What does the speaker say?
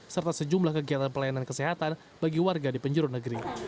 serta sejumlah kegiatan pelayanan kesehatan bagi warga di penjuru negeri